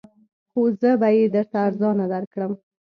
خو زه به یې درته ارزانه درکړم